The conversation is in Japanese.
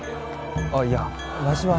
あっいやわしは。